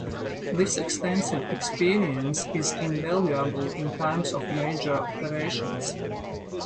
This extensive experience is invaluable in times of major operations.